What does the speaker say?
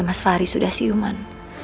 mas fahri sudah siuman